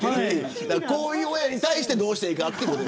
こういう親に対してどうしたらいいかと。